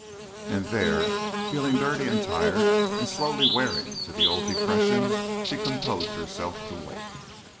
And there, feeling dirty and tired, and slowly wearing to the old depression, she composed herself to wait.